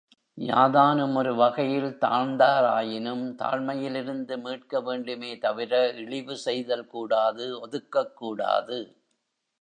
யாதானும் ஒருவகையில் தாழ்ந்தாராயினும் தாழ்மையிலிருந்து மீட்க வேண்டுமே தவிர, இழிவு செய்தல் கூடாது ஒதுக்கக் கூடாது.